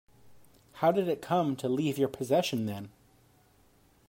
How did it come to leave your possession then?